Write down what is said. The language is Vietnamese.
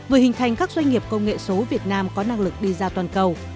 vừa hình thành các doanh nghiệp công nghệ số việt nam có năng lực đi ra toàn cầu